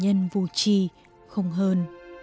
nhân vô trì không hơn